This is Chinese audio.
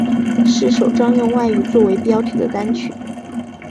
是首张用外语作为标题的单曲。